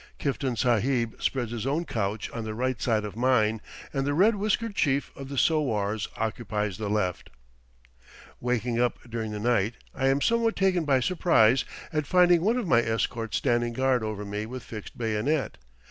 Kiftan Sahib spreads his own couch on the right side of mine and the red whiskered chief of the sowars occupies the left. Waking up during the night, I am somewhat taken by surprise at finding one of my escort standing guard over me with fixed bayonet.